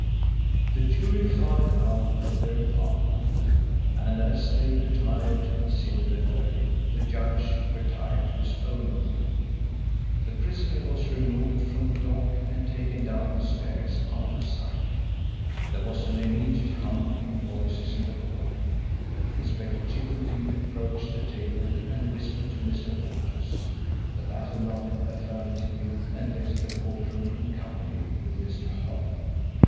The jury filed out of their apartment, and as they retired to consider their verdict the judge retired to his own room. The prisoner was removed from the dock and taken down the stairs out of sight. There was an immediate hum of voices in the court. Inspector Chippenfield approached the table and whispered to Mr. Walters. The latter nodded affirmatively and left the court room in company with Mr. Holymead.